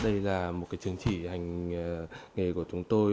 đây là một cái chứng chỉ hành nghề của chúng tôi